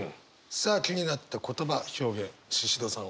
さあ気になった言葉表現シシドさん